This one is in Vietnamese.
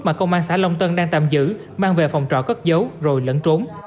mà công an xã long tân đang tạm giữ mang về phòng trọ cất giấu rồi lẫn trốn